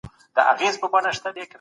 دا کار یوازي په صابر سي.